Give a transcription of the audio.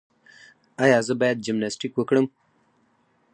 ایا زه باید جمناسټیک وکړم؟